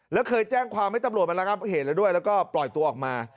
แล้วเคยแจ้งความให้ตำรวจมาระงับเหตุแล้วด้วยแล้วก็ปล่อยตัวออกมา